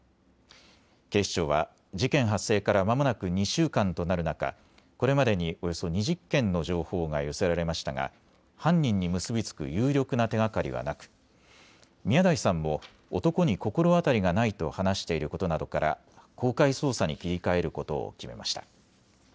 警視庁は事件発生からまもなく２週間となる中、これまでにおよそ２０件の情報が寄せられましたが犯人に結び付く有力な手がかりはなく宮台さんも男に心当たりがないと話していることなどから公開捜査に切り替えることを決めました。